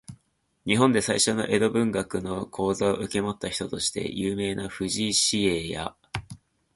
日本で最初の江戸文学の講座を受け持った人として有名な藤井紫影や、